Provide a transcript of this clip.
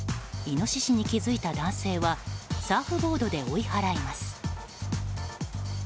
イノシシに気付いた男性はサーフボードで追い払います。